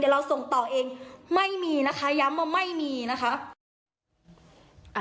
เราส่งต่อเองไม่มีนะคะย้ำว่าไม่มีนะคะ